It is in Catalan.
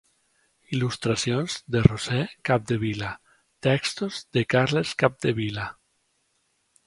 Il·lustracions de Roser Capdevila, textos de Carles Capdevila.